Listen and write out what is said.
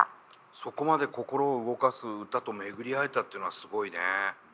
そこまで心を動かす歌と巡り合えたっていうのはすごいね。